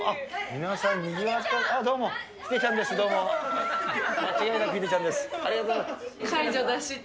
皆さん、にぎわって。